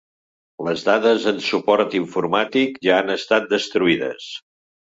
Les dades en suport informàtic ja han estat destruïdes.